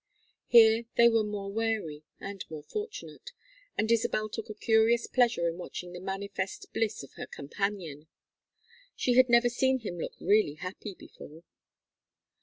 Here they were more wary and more fortunate, and Isabel took a curious pleasure in watching the manifest bliss of her companion. She had never seen him look really happy before.